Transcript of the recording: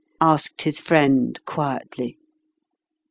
" asked his friend quietly.